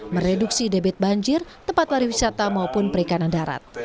mereduksi debit banjir tempat pariwisata maupun perikanan darat